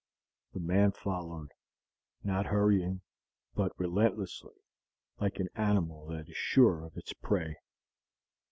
The man followed not hurrying, but relentlessly, like an animal that is sure of its prey.